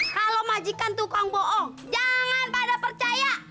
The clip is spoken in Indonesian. kalau majikan tukang bohong jangan pada percaya